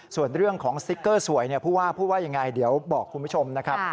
ส่วนเรื่องของสติ๊กเกอร์สวยผู้ว่าพูดว่ายังไงเดี๋ยวบอกคุณผู้ชมนะครับ